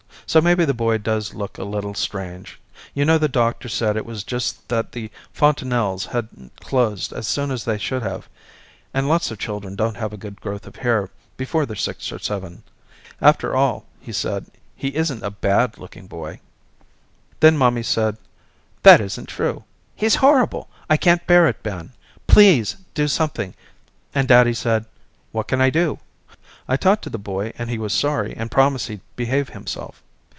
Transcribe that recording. So maybe the boy does look a little strange, you know the doctor said it was just that the fontanelles hadn't closed as soon as they should have and lots of children don't have a good growth of hair before they're six or seven. After all he said he isn't a bad looking boy. Then mommy said that isn't true, he's horrible! I can't bear it, Ben, please do something, and daddy said what can I do? I talked to the boy and he was sorry and promised he'd behave himself.